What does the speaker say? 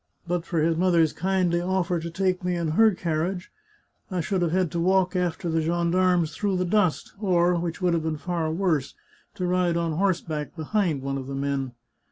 But for his mother's kindly oflfer to take me in her carriage, I should have had to walk after the gendarmes through the dust, or, which would have been far worse, to ride on horseback behind one of the men.